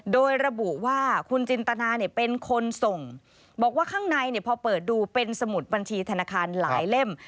โดยระบุว่าคุณจินตนาเป็นคนส่งบอกว่าข้างในพอเปิดดูเป็นสมุดบัญชีธนาคารหลายเล่ม